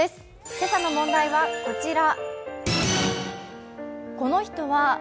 今朝の問題はこちら。